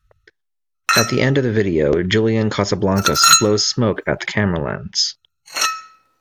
At the end of the video, Julian Casablancas blows smoke at the camera lens.